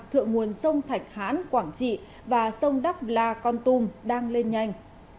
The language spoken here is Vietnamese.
thượng nguồn sông thạch hán quảng trị và sông đắc la con tum đang lên nhanh